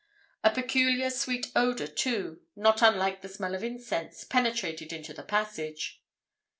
A peculiar sweet odour, too, not unlike the smell of incense, penetrated into the passage.